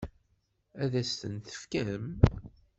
Ad as-ten-tefkem?